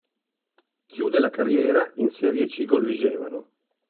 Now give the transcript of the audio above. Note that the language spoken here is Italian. Chiude la carriera in Serie C col Vigevano.